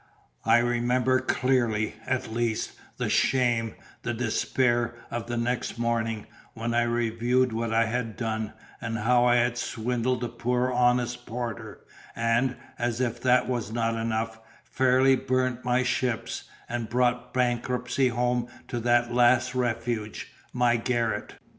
I remember clearly, at least, the shame, the despair, of the next morning, when I reviewed what I had done, and how I had swindled the poor honest porter; and, as if that were not enough, fairly burnt my ships, and brought bankruptcy home to that last refuge, my garret.